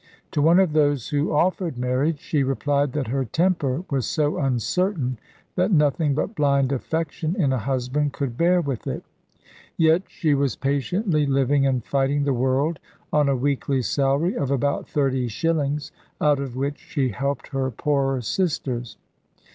To one of those who offered marriage, she replied that her temper was so uncertain that nothing but blind affection in a husband could bear with it. Yet she was patiently living and fighting the world on a weekly salary of about thirty shillings, out of which she helped her poorer sisters.